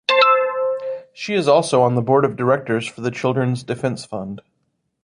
She is also on the Board of Directors for the Children's Defense Fund.